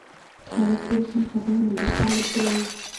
خلک اوس هم خبر نه دي، خلک وايي